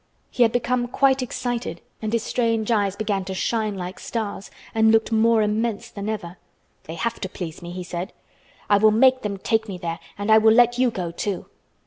He had become quite excited and his strange eyes began to shine like stars and looked more immense than ever. "They have to please me," he said. "I will make them take me there and I will let you go, too."